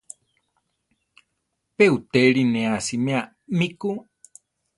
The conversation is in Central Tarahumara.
Pe uʼtéli ne asiméa mi ku.